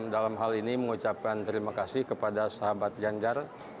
dalam hal ini mengucapkan terima kasih kepada sahabat ganjar